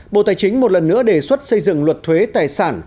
bộ tài chính một lần nữa đề xuất xây dựng luật thuế tài sản